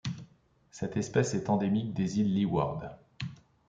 Cette espèce est endémique des îles Leeward.